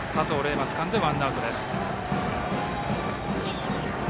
磨がつかんでワンアウトです。